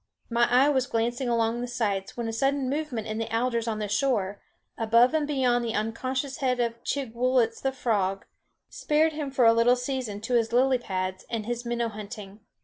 My eye was glancing along the sights when a sudden movement in the alders on the shore, above and beyond the unconscious head of Chigwooltz the frog, spared him for a little season to his lily pads and his minnow hunting.